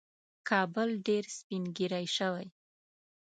کابل ډېر سپین ږیری شوی